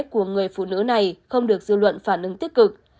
của người phụ nữ này không được dư luận phản ứng tích cực